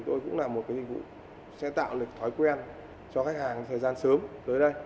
chúng tôi cho rằng là cái dịch vụ này chúng tôi cũng là một cái dịch vụ sẽ tạo được thói quen cho khách hàng thời gian sớm tới đây